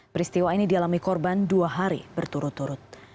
peristiwa ini dialami korban dua hari berturut turut